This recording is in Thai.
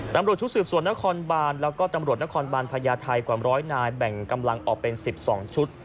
ตำรวจชุดสืบสวนนครบานแล้วก็ตำรวจนครบานพญาไทยกว่าร้อยนายแบ่งกำลังออกเป็น๑๒ชุด